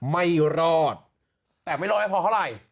ไม่รอดแต่ไม่รอดไม่พอเท่าไหร่